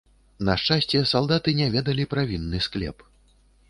На шчасце, салдаты не ведалі пра вінны склеп.